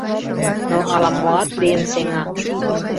Но ала-моат лийын сеҥа…